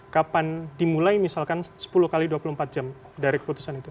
kapan dimulai misalkan sepuluh x dua puluh empat jam dari keputusan itu